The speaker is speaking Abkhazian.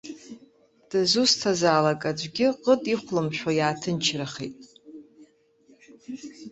Дызусҭзаалак аӡәгьы ҟыт ихәлымшәо иааҭынчрахеит.